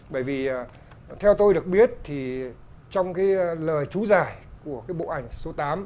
bởi vì theo tôi được biết thì trong cái lời chú giải của cái bộ ảnh số tám